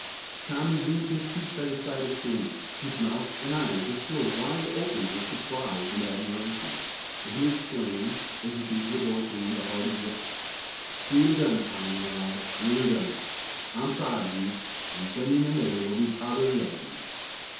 Tom resumed his seat by the side of Sandy, whose mouth and eyes were still wide open with surprise and admiration, and who exclaimed, as he gave the boy's hand a hearty grip, "Weel done, Tommy, ma lad! weel done! I'm proud o' ye! an' Bennie'n the mither'll be prouder yet o' ye!"